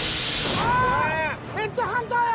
ああっめっちゃハンターや！